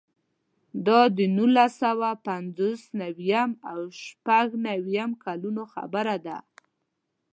دا د نولس سوه پنځه نوي او شپږ نوي کلونو خبره ده.